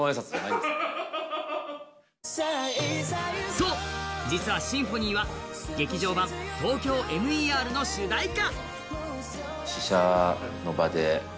そう、実は「Ｓｙｍｐｈｏｎｙ」は劇場版「ＴＯＫＹＯＭＥＲ」の主題歌。